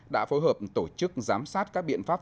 đã phối hợp tổ chức giám sát các biện pháp